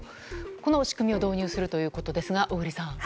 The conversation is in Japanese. この仕組みを導入するということですが、小栗さん。